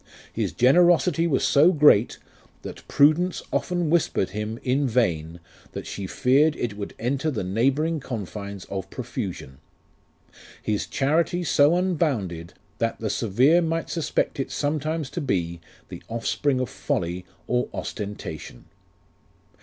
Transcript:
His generosity was so great, That prudence often whispered him, in vain, That she feared it would enter the neighbouring confines of profusion His charity so unbounded, That the severe might suspect it sometimes to be The offspring of folly, or ostentation.